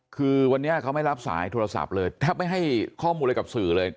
คือวันนี้เขาไม่รับสายโทรศัพท์เลยแทบไม่ให้ข้อมูลอะไรกับสื่อเลย